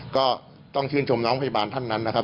ก็ต้องชื่นชมน้องพยาบาลท่านนั้นนะครับ